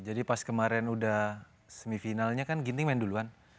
jadi pas kemarin udah semifinalnya kan ginting main duluan